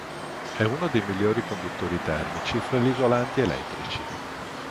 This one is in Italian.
È uno dei migliori conduttori termici fra gli isolanti elettrici.